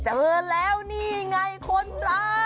เจอแล้วนี่ไงคนปลา